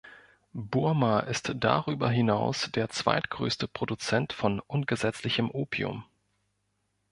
Burma ist darüber hinaus der zweitgrößte Produzent von ungesetzlichem Opium.